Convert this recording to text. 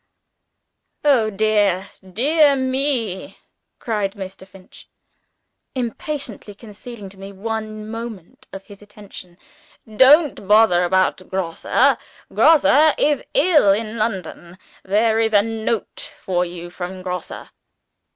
"Oh, dear, dear me!" cried Mr. Finch, impatiently conceding to me one precious moment of his attention. "Don't bother about Grosse! Grosse is ill in London. There is a note for you from Grosse.